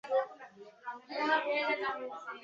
এই উদ্ভিদ স্ব-উর্বর।